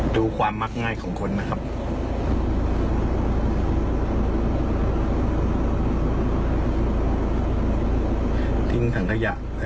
ดูความมักง่ายของคนนะครับ